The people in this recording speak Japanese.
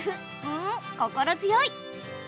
うーん心強い。